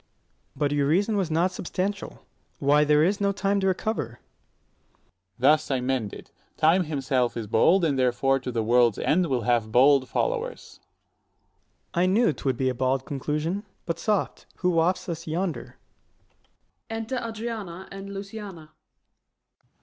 Ant. S. But your reason was not substantial, why there is no time to recover. Dro. S. Thus I mend it: Time himself is bald, and 105 therefore to the world's end will have bald followers. Ant. S. I knew 'twould be a bald conclusion: But, soft! who wafts us yonder? _Enter ADRIANA and LUCIANA.